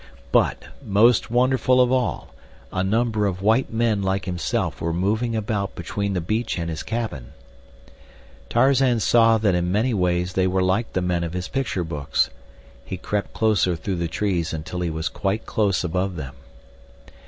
But, most wonderful of all, a number of white men like himself were moving about between the beach and his cabin. Tarzan saw that in many ways they were like the men of his picture books. He crept closer through the trees until he was quite close above them.